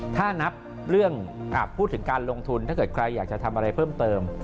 ถ้านับเรื่องพูดถึงการลงทุนถ้าเกิดใครอยากจะทำอะไรเพิ่มเติม